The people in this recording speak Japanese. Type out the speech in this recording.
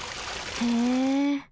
へえ。